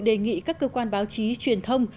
đề nghị các cơ quan báo chí truyền thông